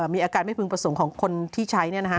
มีอาการไม่พึงประสงค์ของคนที่ใช้